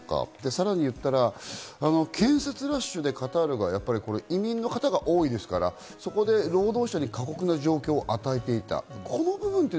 さらに言った、建設ラッシュでカタールは移民の方が多いですから、そこで労働者に過酷な状況を与えていた。